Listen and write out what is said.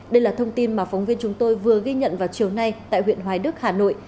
đây là thông tin mà phóng viên chúng tôi vừa ghi nhận vào chiều nay tại huyện hoài đức hà nội